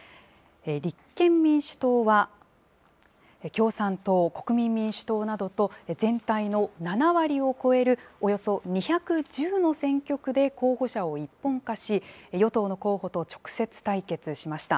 立憲民主党は共産党、国民民主党などと全体の７割を超えるおよそ２１０の選挙区で候補者を一本化し、与党の候補と直接対決しました。